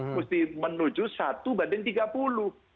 mesti menuju satu banding tiga puluh